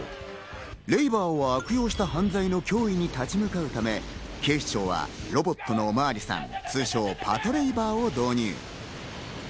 レイバーを悪用した犯罪の脅威に立ち向かうため、警視庁はロボットのお巡りさん、通称・パトレイバーを導入。